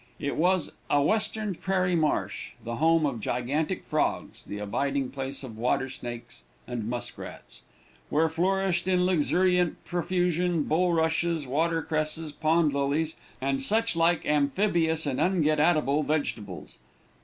It was a western prairie marsh, the home of gigantic frogs, the abiding place of water snakes and musk rats; where flourished in luxuriant profusion, bulrushes, water cresses, pond lilies, and such like amphibious and un get at able vegetables.